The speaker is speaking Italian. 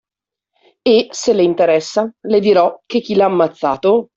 E, se le interessa, le dirò che chi l’ha ammazzato